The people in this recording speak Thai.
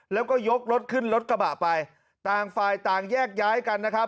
แล้วก็ยกรถขึ้นรถกระบะไปต่างฝ่ายต่างแยกย้ายกันนะครับ